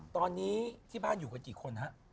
ตอนนี้ที่บ้านอยู่กันกี่คนฮะ